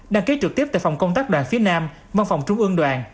đăng ký trực tiếp tại phòng công tác đoàn phía nam văn phòng trung ương đoàn